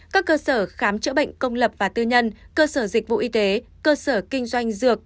các cơ sở khám chữa bệnh công lập và tư nhân cơ sở dịch vụ y tế cơ sở kinh doanh dược